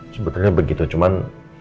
sebetulnya begitu cuman